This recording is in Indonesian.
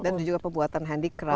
dan juga pembuatan handicraft